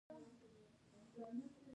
په افغانستان کې کلتور ډېر اهمیت لري.